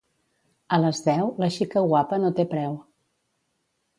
A les deu, la xica guapa no té preu.